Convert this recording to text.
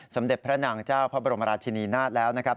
สมเด็จพระนางเจ้าพระบรมราชินีนาฏแล้วนะครับ